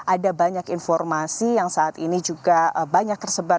ada banyak informasi yang saat ini juga banyak tersebar